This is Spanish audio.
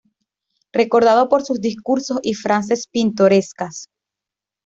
Recordado por sus discursos y frases pintorescas.